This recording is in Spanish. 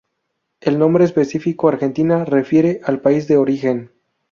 El nombre específico "argentina" refiere al país de origen.